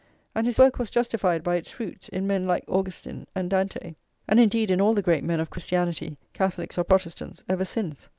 And his work was justified by its fruits, in men like Augustine and Dante, and indeed in all the great men of Christianity, Catholics or Protestants, ever since.